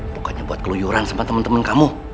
pokoknya buat keluyuran sama teman teman kamu